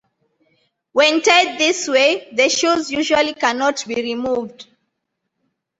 When tied this way the shoes usually cannot be removed.